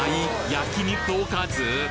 焼肉おかず？